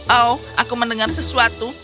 oh aku mendengar sesuatu